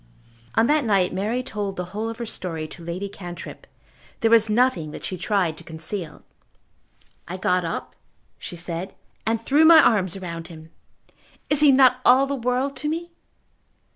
On that night Mary told the whole of her story to Lady Cantrip. There was nothing that she tried to conceal. "I got up," she said, "and threw my arms round him. Is he not all the world to me?"